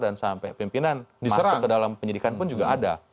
dan sampai pimpinan masuk ke dalam penyidikan pun juga ada